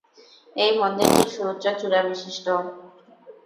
এই মন্দিরটি সুউচ্চ চূড়া বিশিষ্ট।